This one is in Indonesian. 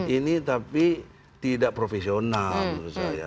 ini tapi tidak profesional menurut saya